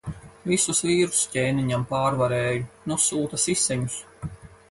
Visus vīrus ķēniņam pārvarēju. Nu sūta siseņus.